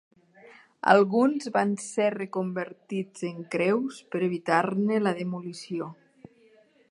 Alguns van ser reconvertits en creus per a evitar-ne la demolició.